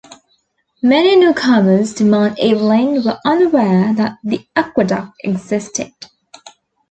Many newcomers to Mount Evelyn were unaware that the aqueduct existed.